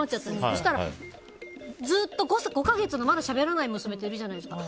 そしたら、５か月のまだしゃべらない娘といるじゃないですか。